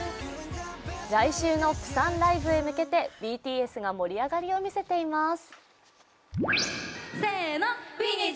来週のプサンライブに向けてＢＴＳが盛り上がりを見せています。